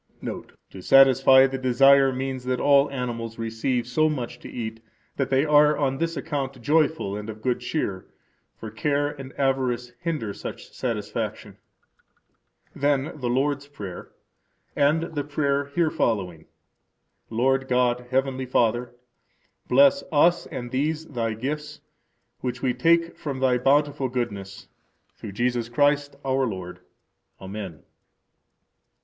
Note: To satisfy the desire means that all animals receive so much to eat that they are on this account joyful and of good cheer; for care and avarice hinder such satisfaction. Then the Lord's Prayer, and the prayer here following: Lord God, Heavenly Father, bless us and these Thy gifts, which we take from Thy bountiful goodness, through Jesus Christ, our Lord. Amen.